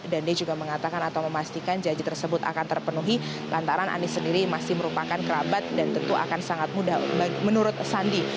dan dia juga mengatakan atau memastikan janji tersebut akan terpenuhi lantaran anis sendiri masih merupakan kerabat dan tentu akan sangat mudah menurut sandi